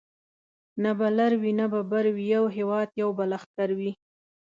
نه به لر وي نه به بر وي یو هیواد یو به لښکر وي